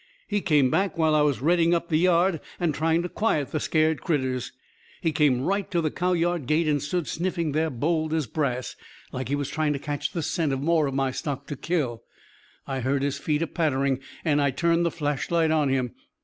He came back while I was redding up the yard and trying to quiet the scared critters. He came right to the cow yard gate and stood sniffing there as bold as brass; like he was trying to catch the scent of more of my stock to kill. I heard his feet a pattering and I turned the flashlight on him.